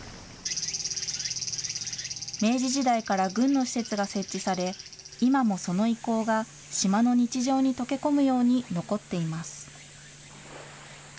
明治時代から軍の施設が設置され、今もその遺構が島の日常に溶け込むように残っています。